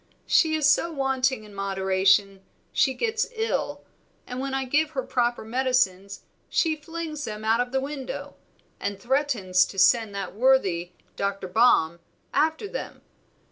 She is so wanting in moderation she gets ill, and when I give her proper medicines she flings them out of the window, and threatens to send that worthy, Dr. Baum, after them.